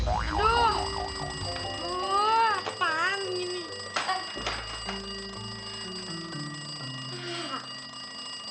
aduh wah apaan ini